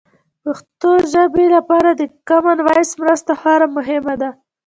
د پښتو ژبې لپاره د کامن وایس مرسته خورا مهمه ده.